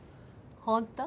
本当？